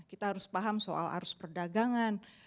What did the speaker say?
kita harus paham soal arus perdagangan